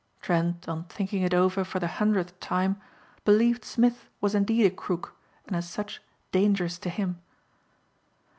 Trent on thinking it over for the hundredth time believed Smith was indeed a crook and as such dangerous to him.